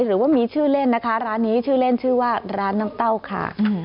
หรือว่ามีชื่อเล่นนะคะร้านนี้ชื่อเล่นชื่อว่าร้านน้ำเต้าค่ะ